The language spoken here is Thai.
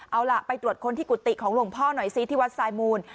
เอาล่ะไปตรวจค้นที่กุฏิของหลวงพ่อหน่อยซิที่วัดสายมูล